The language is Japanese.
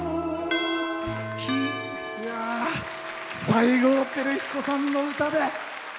西郷輝彦さんの歌で。